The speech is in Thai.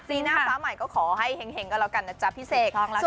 หน้าฟ้าใหม่ก็ขอให้เห็งก็แล้วกันนะจ๊ะพี่เสก